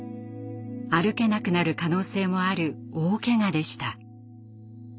歩けなくなる可能性もある大けがでした。